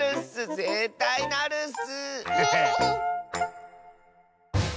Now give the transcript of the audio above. ぜったいなるッス！